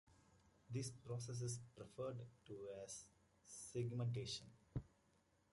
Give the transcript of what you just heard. This process is referred to as "segmentation".